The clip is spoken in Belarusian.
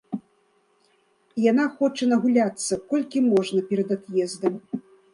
І яна хоча нагуляцца, колькі можна, перад ад'ездам.